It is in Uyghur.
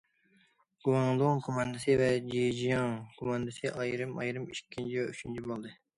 گۇاڭدۇڭ كوماندىسى ۋە جېجياڭ كوماندىسى ئايرىم- ئايرىم ئىككىنچى ۋە ئۈچىنچى بولدى.